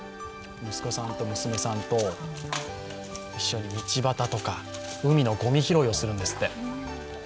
息子さんと娘さんと一緒に道ばたとか海のごみ拾いをするんですって。